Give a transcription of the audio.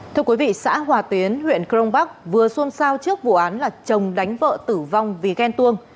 thưa quý vị xã hòa tuyến huyện crong bắc vừa xuân sao trước vụ án là chồng đánh vợ tử vong vì ghen tuông